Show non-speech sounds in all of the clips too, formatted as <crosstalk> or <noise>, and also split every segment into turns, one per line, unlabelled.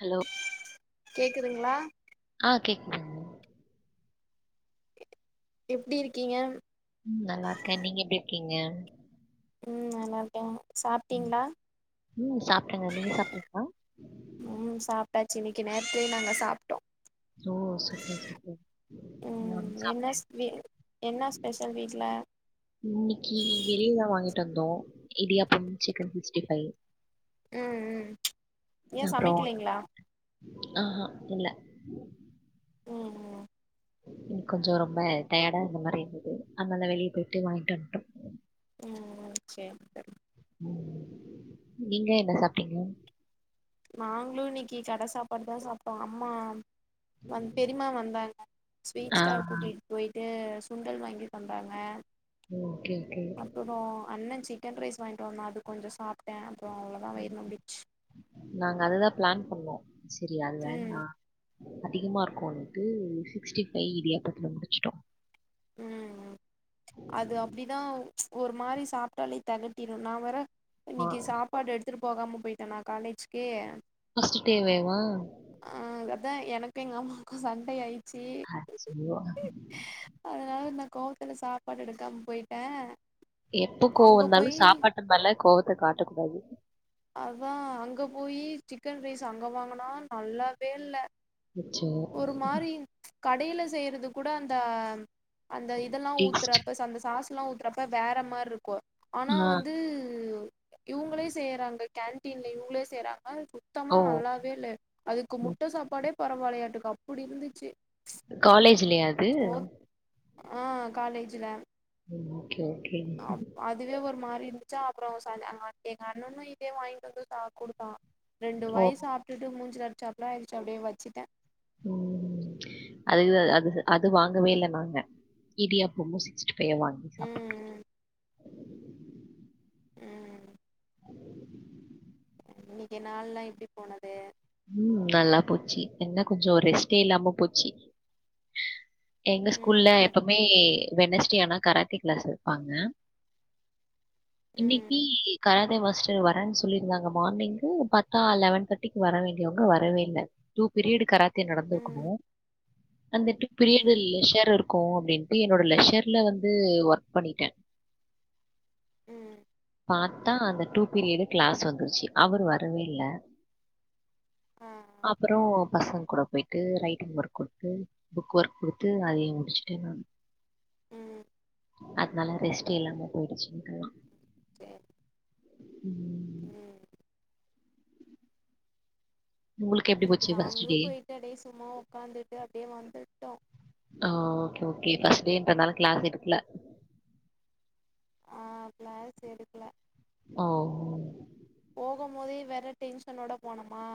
Hello
கேக்குதுங்ளா
ஆ கேக்துங்
எப்டி இருக்கீங்க
ம் நல்லாருக்கே நீங்க எப்டி இருக்கீங்க
ம் நல்லாருக்கே சாப்ட்டீங்ளா
ம் சாப்ட்டேங்க நீங்க சாப்ட்டீங்களா
ம் சாப்ட்டாச்சு இன்னைக்கு நேர்த்துலே நாங்க சாப்ட்டோ
ஓ சூப்பர் சூப்பர் மார்னிங் சாப்ட்டே
என்னா ஸ்பெஷல் வீட்ல
இன்னைக்கு வெளியதா வாங்கிட்டு வந்தோ இடியாப்பம் சிக்கன் சிக்ஸ்டி ஃபைவ்
அ அ ஏ சமைக்கலைங்ளா
ஆ ஆ இல்ல
ம் ம்
எனக் கொஞ்ச ரொம்ப டயர்டா இருந்த மாரி இருந்தது அதனால வெளிய போய்ட்டு வாங்கிட்டு வந்ட்டோ
ம் சேரி தோழி
ம் நீங்க என்ன சாப்ட்டீங்க
நாங்ளு இன்னிக்கி கட சாப்பாடு தா சாப்ட்டோ அம்மா வந் பெரிமா வந்தாங்க ஸ்வீட்
ஆ
ஸ்டால் கூட்டிட் போயிட்டு சுண்டல் வாங்கி தந்தாங்க
ஓ ஓகே ஓகே.
அப்றோ அண்ண சிக்கன் ரைஸ் வாய்ண்ட்டு வந்தா அது கொஞ்ச சாப்ட்டே அப்றோ அவ்ளதா வயிறு நொம்பிட்ச்சு
நாங்க அதுதா பிளான் பண்ணோ செரி அது
ம்
வேண்டா அதிகமா இருக்குன்ட்டு சிக்ஸ்டி ஃபைவ் இடியாப்பத்துல முடிச்சிட்டோ
ம் அது அப்டிதா ஒரு மாரி சாப்ட்டாலே தெகட்டிடு நா வேற
ஆ
இன்னிக்கு சாப்பாடு எடுத்துட்டு போகாம போயிட்டனா காலேஜ்கு
ஃபஸ்ட்டு டேவே வா
ஆ அதா எனக்கு எங்கம்மாக்கு சண்ட ஆயி
அச்சோ
அதனால நா கோவத்துல சாப்பாடு எடுக்காம போயிட்டே
எப்போ கோவோ
அங்க
வந்தாலு
போயி
சாப்பாட்டு மேல கோவத்த காட்ட கூடாது
அதா அங்க போயி சிக்கன் ரைஸ் அங்க வாங்குனா நல்லாவே இல்ல
அச்சோ
ஒரு மாரி கடைய்ல செய்யறது கூட அந்த அந்த இதெல்லா
ஈஸ்ட்
ஊத்துறப்ப ச அந்த சாஸ்ல்லா ஊத்துறப்ப வேற மார்ருக்கு ஆனா
ஆ
வந்து இவுங்களே செய்யறாங்க கேன்டீன்ல இவுங்களே செய்றாங்க சுத்தமா
ஓ
நல்லாவே இல்ல அதுக்கு
ம்
முட்ட சாப்பாடே பரவால்லயாட்டுக்கு அப்புடி இருந்துச்சு
காலேஜ்லயா அது
சோ ஆ காலேஜ்ல
ஆமா ஓகே ஓகே
அப் அத் துவே ஒரு மாரி இருந்துச்சா அப்றோ சாயங்காலோ எங்கண்ணனு இதே வாய்ண்ட்டு ச வந்து குடுத்தா ரெண்டு
ஓ
வாய் சாப்ட்டுட்டு மூஞ்சில அடிச்சாப்ல இர்ந்ச்சு அப்டியே வெச்சிட்டே
ம் அதுக்கு அது அது வாங்கவே இல்ல நாங்க இடியாப்பமு சிக்ஸ்டி ஃபையவு வாங்கி சாப்ட்டோ
ம் ம் இன்னைக்கு நாள்லா எப்டி போனது
ம் நல்லா போச்சு என்ன கொஞ்சோ ரெஸ்ட்டே இல்லாம போச்சி எங்க ஸ்கூல்ல
ம்
எப்பமே வெனஸ்டே ஆனா கராத்தே க்ளாஸ் வெப்பாங்க இன்னைக்கி
ம்
கராதே மாஸ்டர் வரேன் சொல்லிருந்தாங்க மார்னிங்கு பாத்தா லெவன் தேட்டிக்கு வர வேண் டியவங்க வரவே இல்ல டூ ப்ரியடு கராத்தே
ம்
நடந்துருக்கணு அன் தட்டு
ம்
பிரிவெல் லெஷர் இருக்கு அப்டின் ட்டு என்னோட லெஷர்ல வந்து ஒர்க் பண்ணிட்டே
ம்
பாத்தா அந்த டூ பீரியடு க்ளாஸ் வந்துருச்சு அவரு வரவே இல்ல
அ
அப்பறோ பசங்க கூட போய்ட்டு ரைட்டிங் ஒர்க் குடுத்து புக் ஒர்க் குடுத்து அதையு முடிச்சுட்டே நானு
ம்
அதனால ரெஸ்ட்டே இல்லாம போய்டுச்சு <unintelligible>
சேரி
ம்
ம்
உங்களுக்கு எப்படி
இன்னைக்கி
போச்சு ஃபர்ஸ்ட்
நாங்களு
டே
போய்ட்டு அப்டியே சும்மா ஒக்காந்துட்டு அப்டியே வந்துட்டோ
ஓ ஓகே ஓகே ஃபஸ்ட்டு டேன்றனால க்ளாஸ் எடுக்ல
ஆ க்ளாஸ் எடுக்ல
ஓ
போகு போதே வேற டென்ஷனோட போனோமா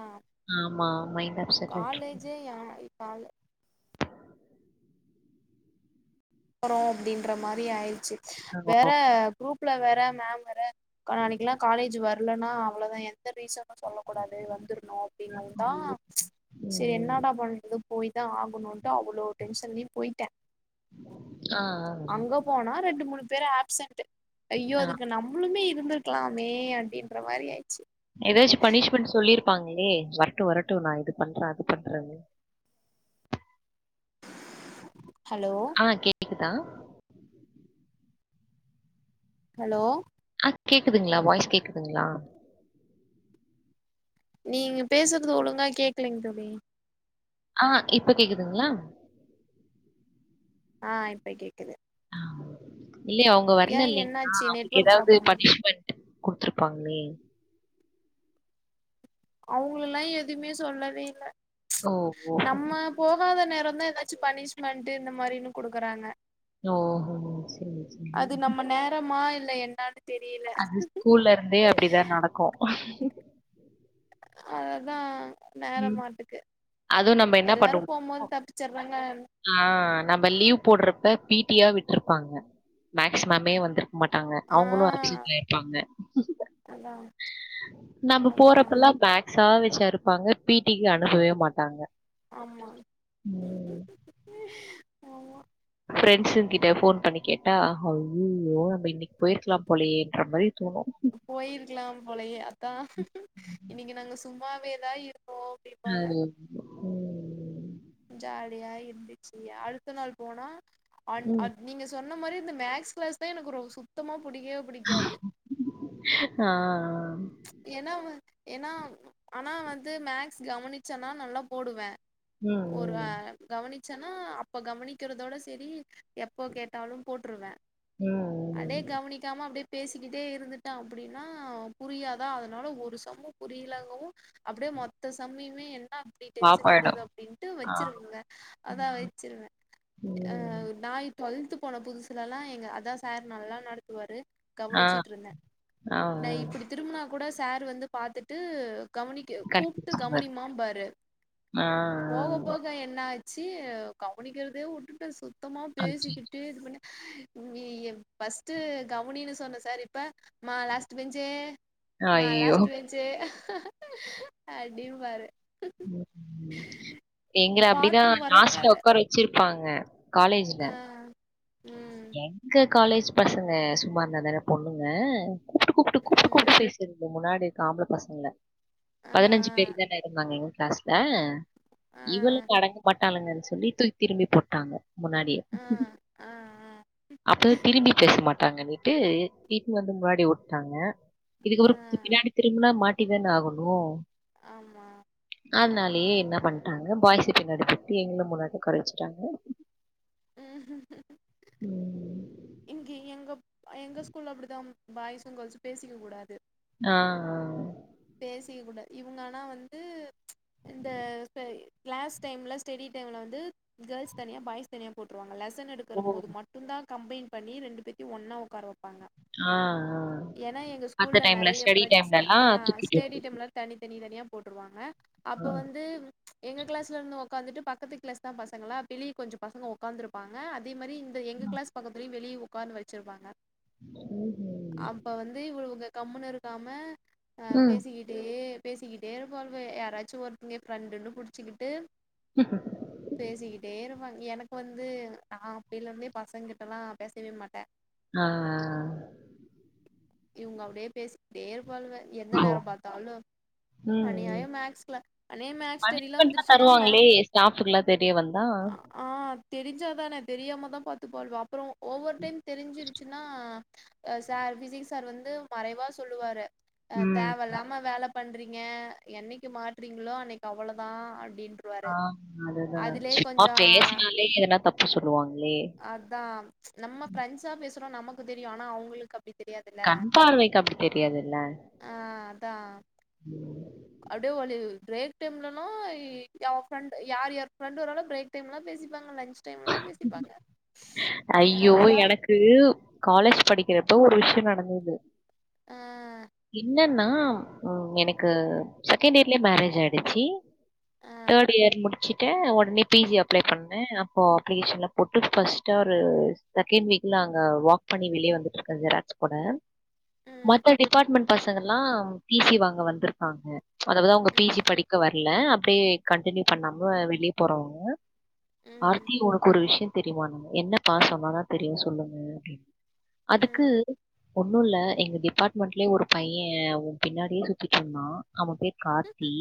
ஆமா மைண்ட் அப்செட் ஆயிட்ருக்கு
காலேஜே ஏ இப்ப அலு போறோ அப்டின்ற மாரி ஆய்ருச்சி
ஆமா.
வேற குரூப்ல வேற மேம் வேற கா நாளைக்கிலா காலேஜ் வரலன்னா அவ்ளதா எந்த ரீசன் னு சொல்லக்கூடாது வந்துர்ணு அப்டின்னோவு தா சே
ம்.
என்னடா பண்றது போய் தா ஆகணுன்ட்டு அவ்ளோ டென்ஷன்லயு போய்ட்டே
ஆ ஆ
அங்க போனா ரெண்டு மூணு பேரு அப்சன்ட்டு ஐயோ
ஆ.
அதுக்கு நம் ம்ளுமே இருந்துருக்கலாமே அப்டின்ற மாரி ஆய்ச்சு
ஏதாச்சு பனிஷ்மெண்ட் சொல்லிருப்பாங்களே வரட்டு வரட்டு நா இது பண்றே அது பண்றேன்னு
ஹலோ
ஆஹ் கேட்குதா
ஹலோ
அ கேக்குதுங்களா வாய்ஸ் கேக்குதுங்களா
நீங்க பேசுறது ஒழுங்கா கேட்கலைங்க தோழி
ஆஹ் இப்ப கேக்குதுங்களா
ஆ இப்ப கேட்குது
இல்லயே அவுங்க வரல இல்லைங்களா
என்னாச்சு
அவுங்களுக்கு
நெட்வொர்க்
ஏதாவ்து
ப்ராப்ளமா
பனிஷ்மெண்ட் குடுத்துருப்பாங்ளே
அவுங்களலா எதுமே சொல்லவே இல்ல
ஓ! ஓ!
நம்ம போகாத நேர தா ஏதாச்சு பனிஷ்மெண்ட்டு இந்த மாரின்னு குடுக்குறாங்க
ஓஹோ! சரி, சரி.
அது நம்ம நேரமா இல்ல என்னனு
அது ஸ்கூல்ல இருந்தே அப்டிதா நடக்கு
அதான் நேர
ம்.
மாட்டுக்கு
அதுவும் நம்ம
எல்லாரு போபோது தப்பிச்சிறாங்க
ஆஹ் நம்ம லீவ் போடுறப்ப பீ டி யா விட்டுருப்பாங்க மேக்ஸ் மேமே வந்திரு மாட்டாங்க
ஆ
அவுங்களு அப்சென்ட் ஆயிருப்பாங்க
அதா
நம்ப
அதா
போறப்பல்லா மாக்ஸா வச்சு அருப்பாங்க பீட்டிக்கு அனுப்பவே மாட்டாங்க
ஆமா
ம்.
<unintelligible> ஆமா
ஃப்ரெண்ட்ஸுங் கிட்ட ஃபோன் பண்ணி கேட்டா ஐய்யயோ நம்ப இன்னிக் போயிருக்லா போலயேன்ற மாரி தோணு
போயிருக்கலாம் போலயே அத்தா இன்னிக்கி நாங்க சும்மாவேதா இருந்தோ டிப்பாங்க
அது ம்.
ஜாலியா இருந்துச்சி அடுத்த நாள் போனா அ அ
ம்.
நீங்க சொன்ன மாரி இந்த மேக்ஸ் க்ளாஸ் தா எனக்கு ரோ சுத்தமா புடிக்கே
ஆ ஆ
ஏனா வந் ஏனா ஆனா வந்து மேக்ஸ் கவனிச்சனா நல்லா போடுவ
ம்,
ஒர் அ
ம்.
கவனிச்சனா அப்ப கவனிக்கிறதோட சேரி எப்போ கேட்டாலும் போட்ருவே
ம்
அடே
ம்.
கவுனிக்காம அப்டே பேசிக்கிட்டே இருந்துட்ட அப்டினா புரியாதா அதனால ஒரு சம்மு புரியலங்குவு அப்டே மொத்த சம்மயுமே என் அ அப்டி டென்ஷன்
பாப்பாயிடும்.
எதுக்கு அப்டின்ட்டு
ஆ.
வச்சிருவங்க அதான்
ம்.
வச்சிருவ அ
ம்.
நாய் ட்வெல்த்து போன புதுசுலலா எங்க அதா சார் நல்லா நடத்துவாரு
ஆ.
கவனிச்சுட்ருந்த
ஆ, ஆ.
நா இப்டி திரும்புனா கூட சார் வந்து பாத்துட்டு கவனிக்க கூப்ட்டு
கண்டுபிடிச்சிருவாரு.
கவனிமாம்பாரு
ஆ,
போக போ
ஆ.
அ என்ன ஆச்சு கவனிக்கறதே வுட்டுட்ட சுத்தமா
அச்சச்சோ!
பேசிகிட்டே இதுபன்ன நீ ஃபஸ்ட்டு கவுனினு சொன்ன சார் இப்ப மா லாஸ்ட் பெஞ்ச் தே மா
ஐயோ!
லாஸ்டு பெஞ்சு அடிம்பாரு
எங்கள அப்டிதா‌
பார்த்து
லாஸ்ல
முறைப்பாரு
ஒக்கார வச்சிருபாங்க காலேஜ்ல
ஆ ம்
எங்க காலேஜ் பசங்க சும்மா இருந்தா தான பொண்ணுங்க கூப்ட்டு கூப்ட்டு கூப்ட்டு கூப்ட்டு
ம்
பேசீட் இந்த முன்னாடி இருக்க ஆம்பள பசங்ல
ஆ
பதினஞ்சு பேரு தான இருந்தாங்க எங்க கிளாஸ் ல
ஆ
இவளுங்க அடங்க மாட்டாளுங்கன் சொல்லி தூக்கி திரும்பி போட்டாங்க முன்னாடியே
ஆ ஆ ஆ
அப்பதா திரும்பி பேச மாட்டாங்கன்னிட்டு இட்டுனு வந்து முன்னாடி வுட்டாங்க
ஆ
இதுக்கப்ரோ பின்னாடி திரும்புனா மாட்டி தான ஆகணு
ஆமா
அனாலேயே என்ன பண்ட்டாங்க பாய்ஸ பின்னாடி போட்டு எங்கள முன்னாடி உக்கார வச்சிட்டாங்க ம்
இங்கே எங்கப் அ எங்க ஸ்கூல்ல அப்பிடிதா பாய்ஸு கேர்ள்ஸு பேசிக்கக் கூடாது
ஆ அ
பேசிக்க கூட இவுங்க ஆனா வந்து இந்த சை கிளாஸ் டைம்ல ஸ்டெடி டைம்ல வந்து கேள்ஸ் தனியா பாய்ஸ் தனியா போட்டுருவாங்க லெசன் எடு கற
ஓ!
போது மட்டுந்தா கம்பைன் பண்ணி ரெண்டு பேத்தயு ஒன்னா ஒக்கார வப் பாங்க
ஆ, ஆ.
ஏனா எங்க
மத்த
ஸ்கூல்ல
டைம்ல
நெறைய
ஸ்டடி
ப்ரச் ஆ
டைம்லலாம் தூக்கிட்டு விட்றது.
டீட்டம்லா தனி தனி தனியா போட்டுருவாங்க அப்ப
ஆ.
வந்து எங்க கிளாஸ்ல இருந்து ஒக்காந்துட்டு பக்கத்து கிளாஸ் தா பசங்களா வெளிய கொஞ்சோ பசங்க ஒக் ஒக்காந்துருப்பாங்க அதே மாரி இந்த எங்க
ஆ.
கிளாஸ் பக்கத்துலயு வெளிய உக்காந்து வழுச்சுருப்பாங்க
ம்ஹ்ம்.
அப்ப வந்து இவளுங்க கம்முன்னு இருக்காம அ
ம்.
பேசிக்கிட்டே பேசிக்கிட்டே இருப்பாளுக யாராச்சு ஒருத்தங்க ஃப்ரெண்டுன்னு புடிச்சுக்கிட்டு
ம்
பேசிக்கிட்டே இருப்பாங்க எனக்கு வந்து நா அப்பேல இருந்தே பசங்க கிட்டல்லா பேசவே மாட்டே
ஆ ஆ ஆ
இவங்க அப்டியே பேசிகிட்டே இருப்பாளுக எந்த
ஓ!
நேரோ பாத்தாலு
ம், ம்.
அநியாயோ மேக்ஸ் கிளா அனே மேக்ஸ் ஸ்டடில்லா
பனிஷ்மென்ட்லாம்
வந்துருச்சுனா மே
தருவாங்களே! ஸ்டாஃப்க்குலாம் தெரிய வந்தா?
ஆ தெரிஞ்சா தான தெரியாமத்தா பாத்துப்பாளுவ அப்பறோ ஒவ்வொரு டைம் தெரிஞ்சிருச்சுன்னா ஆ சார் ஃபிசிக்ஸ் சார் வந்து மறைவா சொல்லுவாரு அ
ம்.
தேவ இல்லாம வேல பண்றீங்க என்னக்கி மாட்றீங்களோ அன்னக்கி அவ்வளோதா அப்டின்ட்டு
ஆ அதுதா சும்மா பேசினாலே எதுனா தப்பு சொல்லுவாங்களே
அதா நம்ம ஃப்ரண்ட்ஸா பேசுறோ நமக்கு தெரியு ஆனா அவுங்களுக்கு அப்டி தெரியாதுல்ல
கண் பார்வைக்கு அப்டி தெரியாதுல்ல
ஆ அதா
ம்
அப்டியே வளு பிரேக் டைம்லலா யா ஃப்ரெண்ட்டு யார் யார் ஃப்ரெண்ட் வராளோ பிரேக் டைம்லலா பேசிப்பாங்க லன்ச் டைம்லலா பேசி
அய்யோ எனக்கு கூ காலேஜ் படிக்கிறப்போ ஒரு விஷ்யோ நடந்தது
ஆ
என்ன னா எனக்கு செகண்ட் இயர்லயே மேரேஜ் ஆய்டுச்சி
ஆ
தேர்ட் இயர் முடுச்சிட்டே ஒடனே பீ ஜி அப்ளோ பண்ணே அப்போ அப்ளிகேஷன்லா போட்டு ஃபர்ஸ்ட்டாரு செகேண்ட் வீக்ல அங்க வாக் பண்ணி வெளிய வந்துட்டுருக்கே ஜெராக்ஸ் போட
ம்
மத்த டிபார்ட்மண்ட் பசங்கல்லா டீ சி வாங்க வந்துருபாங்க அதாவது அவுங்க பீ ஜி
ம்
படிக்க வரல அப்டியே கன்டினியூ பண்ணாம வெளிய போறவங்க
ம்
ஒனக்கு ஒரு விஷ்யோ தெரியுமான்னாங்க என்னப்பா சொன்னாதா தெரியு சொல்லுங்க அப்டின் அதுக்கு
ம்
ஒன்னு இல்ல எங்க டிபார்ட்மண்ட்லயே ஒரு பையே ஒ பின்னாடியே சுத்திட்டு இருந்தா அவெ பேர் கார்த்தி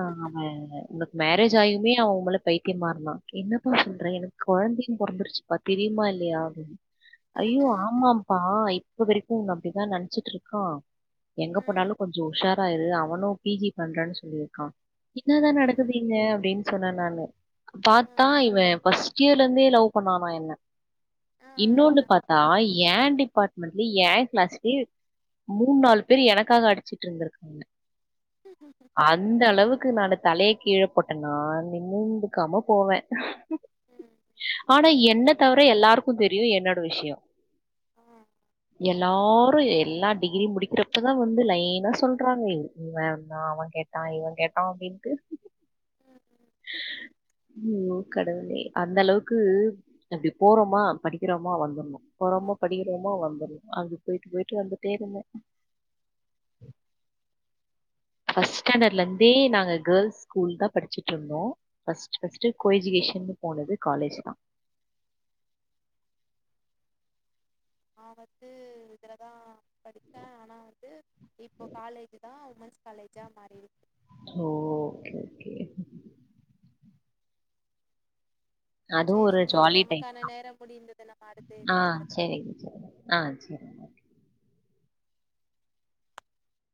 ஆ அவெ உங்க மேரேஜ் ஆயுமே அவெ உன் மேலே பைத்தியமா இருந்தா என்னப்பா சொல்ற எனக்கு கொழந்தையு பொறந்துருச்சுப்பா தெரியுமா இல்லையா அப்டின் ஐயோ ஆமாம்ப்பா இப்ப வரைக்கு உன்ன அப்டிதா நெனச்சுட்ருக்கா எங்க
ம்
போனாலு கொஞ்சோ உஷாரா இரு அவனு பீ ஜி பண்றன் சொல்லிருக்கா என்னாதா
ம்
நடக்குது இங்க அப்டின் சொன்னே நானு பாத்
ஆ
த்தா இவெ ஃபர்ஸ்ட் இயர்ல இருந்தே லவ் பண்ணானா என்ன
ஆ
இன்னோன்னு பாத்தா ஏ டிபாட்மண்ட்ல ஏ கிளாஸ்லயே மூண் நாலு பேர் எனக்காக அடுச்சிட்டு இருந்திருக்காங்க
ம்
அந்த அளவுக்கு நானு தலய கீழ போட்டனா நிமுந்துக்காம போவே ஆனா என்னத் தவர எல்லாருக்கு தெரியு என்னோட விஷ்யோ
ஆ
எல்லாரு எல்லா டிகிரி முடிக்கிறப்பதா வந்து லைனா சொல்றாங்க இவெ இருந்தா அவெ கேட் டா இவெ கேட்டா அப்டின்ட்டு
ம் ம்
ஓ கடவுளே அந்த அளவுக்கு அப்டி போறோமா படிக்குறோமா வந்துடணும்
ஆ
போறோமோ படிக்கிறோமோ வந்துருனும் அப்டி போயிட்டு போயிட்டு வந்துட்டே இருந்தேன் ஃபஸ்ட் ஸ்டாண்டர்ட்லருந்தே நாங்க கேர்ள்ஸ் ஸ்கூல் தான் படிச்சிட்டுருந்தோம் ஃபர்ஸ்ட் ஃபஸ்ட்டு கோஜிகேஷன்னு போனது காலேஜ்ல தான்
நான் வந்து இதில தான் படிச்சேன் ஆனா வந்து இப்போ காலேஜ் தான் உமன்ஸ் காலேஜா மாறிருக்
ஓ ஓகே ஓகே அதுவும் ஒரு
சேரிங் தோழி
ஜாலி டைம்
நமக்கான
தா
நேரம் முடிந்தது நம்ம அடுத்த
ஆ
இணைப்பில
செரி ஆ செரி